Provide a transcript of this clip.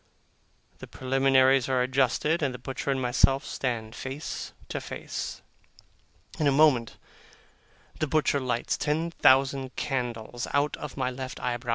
The preliminaries are adjusted, and the butcher and myself stand face to face. In a moment the butcher lights ten thousand candles out of my left eyebrow.